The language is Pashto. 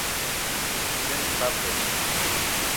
سیند کب لري.